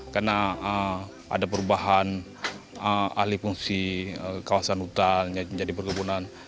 karena ada perubahan ahli fungsi kawasan hutan menjadi perkebunan